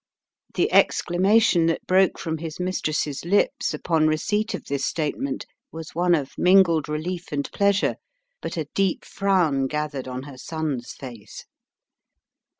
The exclamation that broke from his mistress's The Plot Thickens 161 lips upon receipt of this statement was one of mingled relief and pleasure but a deep frown gathered on her son's face.